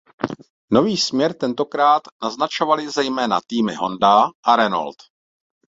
Nový směr tentokrát naznačovaly zejména týmy Honda a Renault.